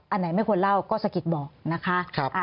อันไหนไม่ควรเล่าก็สะกิดบอกนะคะ